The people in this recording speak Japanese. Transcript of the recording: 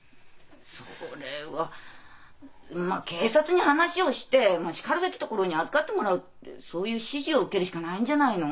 それは警察に話をしてしかるべき所に預かってもらうってそういう指示を受けるしかないんじゃないの？